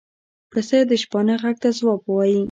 پسه د شپانه غږ ته ځواب وايي.